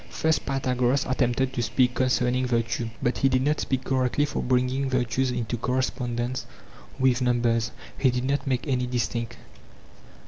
First Pythagoras attempted to speak concerning virtue, but he did not speak correctly ; for bringing virtues into correspondence with numbers, he did not make any distinct.